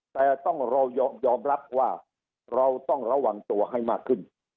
แต่ต้องเรายอมรับว่าเราต้องระวังตัวให้มากขึ้น